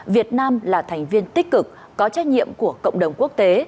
việt nam là thành viên tích cực có trách nhiệm của cộng đồng quốc tế